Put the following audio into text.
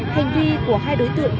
hành vi của hai đối tượng